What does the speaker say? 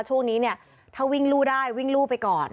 ช่วงนี้เนี่ยถ้าวิ่งลู่ได้วิ่งลู่ไปก่อน